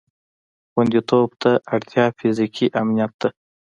خوندیتوب ته اړتیا فیزیکي امنیت ده.